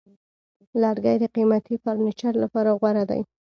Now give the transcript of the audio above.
لرګی د قیمتي فرنیچر لپاره غوره دی.